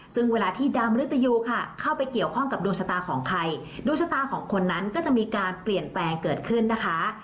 ซึ่งเวลาที่ดาวมริตยูค่ะเข้าไปเกี่ยวข้องกับดวงชะตาของใครดวงชะตาของคนนั้นก็จะมีการเปลี่ยนแปลงเกิดขึ้นนะคะ